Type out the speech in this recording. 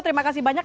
terima kasih banyak